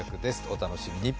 お楽しみに。